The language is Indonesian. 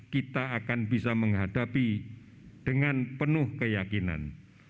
kita akan bisa menghadapi dengan penuh keyakinan